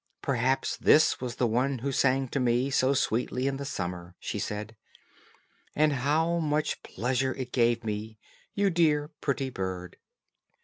"Perhaps this was the one who sang to me so sweetly in the summer," she said; "and how much pleasure it gave me, you dear, pretty bird."